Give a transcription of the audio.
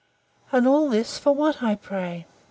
And all this, for what, I pray?